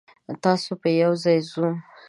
تاسو به یوځای ځو.